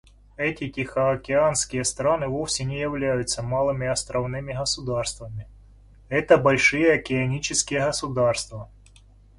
Эти тихоокеанские страны вовсе не являются «малыми островными государствами»: это большие океанические государства.